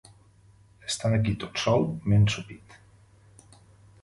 Estant aquí tot sol, m'he ensopit.